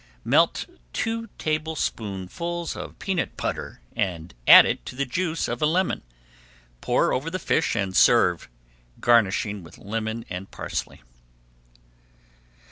Melt two tablespoonfuls of peanut butter, add to it the juice of a lemon, pour over the fish and serve, garnishing with lemon and parsley.